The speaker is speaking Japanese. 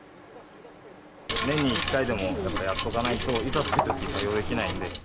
年に１回でもやっとかないと、いざというときに対応できないんで。